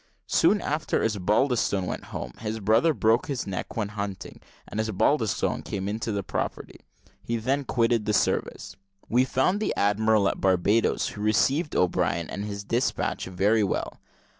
Soon after Osbaldistone went home, his brother broke his neck when hunting, and Osbaldistone came into the property. He then quitted the service. We found the admiral at Barbadoes, who received O'Brien and his despatch very well.